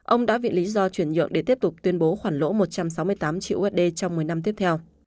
ông đã viện lý do chuyển nhượng để tiếp tục tuyên bố khoản lỗ một trăm sáu mươi tám triệu usd trong một mươi năm tiếp theo